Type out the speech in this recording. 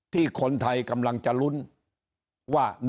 ที่คนไทยกำลังจะลุ้นว่า